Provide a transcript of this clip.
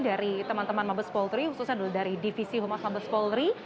dari teman teman mabes polri khususnya dulu dari divisi humas mabes polri